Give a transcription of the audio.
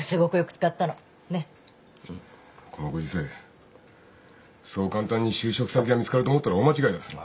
このご時世そう簡単に就職先が見つかると思ったら大間違いだ。